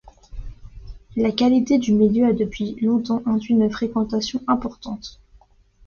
La qualité du milieu a depuis longtemps induit une fréquentation importante.